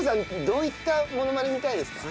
どういったモノマネ見たいですか？